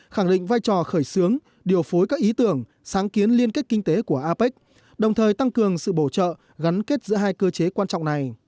khẳng định vai trò khởi xướng điều phối các ý tưởng sáng kiến liên kết kinh tế của apec đồng thời tăng cường sự bổ trợ gắn kết giữa hai cơ chế quan trọng này